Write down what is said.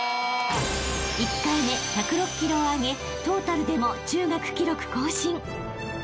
［１回目１０６ｋｇをあげトータルでも中学記録更新］